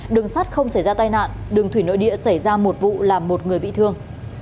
đường sắt không xảy ra tai nạn đường thủy nội địa xảy ra một vụ làm một người bị thương